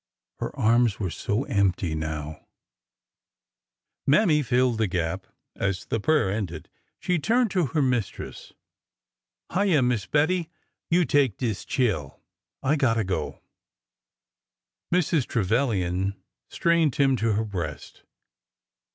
Her arms were so empty now ! Mammy filled the gap. As the prayer ended, she turned to her mistress. " Hyeah, Miss Bettie, you take dis chile. I got to go !" Mrs. Trevilian strained him to her breast.